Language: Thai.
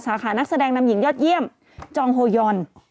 สาขานักแสดงนำหญิงยอดเยี่ยมจองโฮยอน